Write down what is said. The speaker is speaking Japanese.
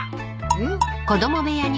うん？